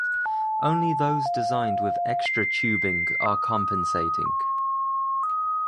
Only those designed with extra tubing are compensating.